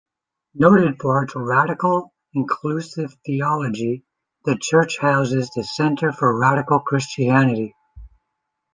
Noted for its radical, inclusive theology, the church houses the Centre for Radical Christianity.